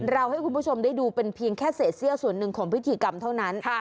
ให้คุณผู้ชมได้ดูเป็นเพียงแค่เศษเสื้อส่วนหนึ่งของพิธีกรรมเท่านั้น